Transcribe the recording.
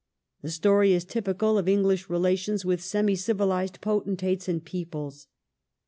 The story is typical of English relations with semi civilized potentates and peoples.